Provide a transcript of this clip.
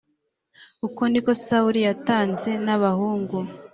uko ni ko sawuli yatanze n abahungu